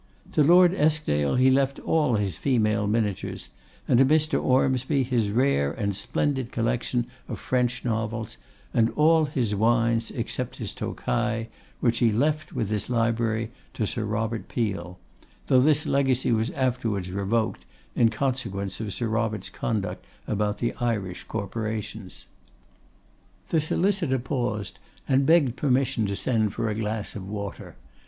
To Lord Eskdale he left all his female miniatures, and to Mr. Ormsby his rare and splendid collection of French novels, and all his wines, except his Tokay, which he left, with his library, to Sir Robert Peel; though this legacy was afterwards revoked, in consequence of Sir Robert's conduct about the Irish corporations. The solicitor paused and begged permission to send for a glass of water.